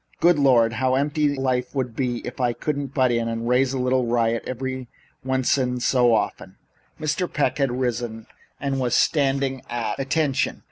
Good Lord, how empty life would be if I couldn't butt in and raise a little riot every once in so often." Young Mr. Peck had risen and was standing at attention.